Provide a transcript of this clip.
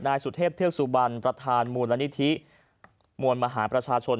นายสุเทพเทือกสุบันประธานมูลนิธิมวลมหาประชาชน